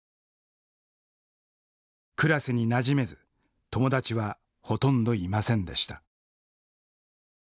クラスになじめず友達はほとんどいませんでした。